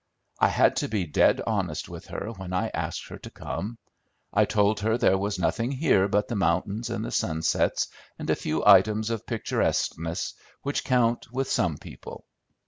I had to be dead honest with her when I asked her to come. I told her there was nothing here but the mountains and the sunsets, and a few items of picturesqueness which count with some people.